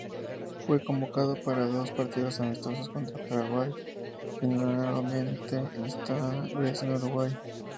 Fue convocado para jugar dos partidos amistosos contra Paraguay nuevamente, esta vez en Uruguay.